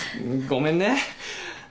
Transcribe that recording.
ごめんね。